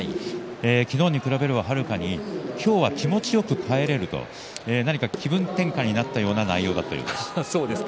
昨日に比べれば、はるかに今日は気持ちよく帰れると気分転換になったような内容だと。